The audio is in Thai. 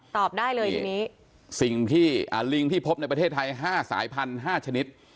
ตอบได้เลยทีนี้สิ่งที่ลิงที่พบในประเทศไทย๕สายพันห้าชนิด